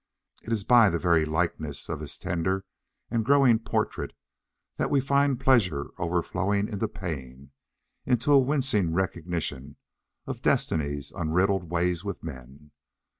It is by the very likeness of his tender and glowing portrait that we find pleasure overflowing into pain into a wincing recognition of destiny's unriddled ways with men.